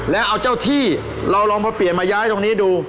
แล้วเอาเจ้าที่เราลองมาเปลี่ยนมาย้ายตรงนี้ดู